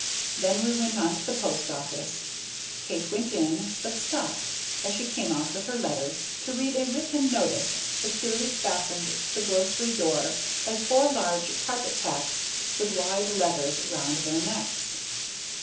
Then we went on to the post office. Kate went in, but stopped, as she came out with our letters, to read a written notice securely fastened to the grocery door by four large carpet tacks with wide leathers round their necks.